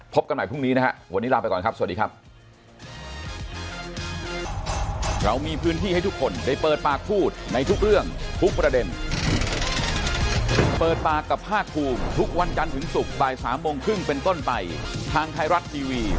กันใหม่พรุ่งนี้นะฮะวันนี้ลาไปก่อนครับสวัสดีครับ